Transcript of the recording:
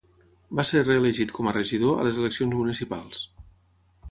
Va ser reelegit com a regidor a les eleccions municipals.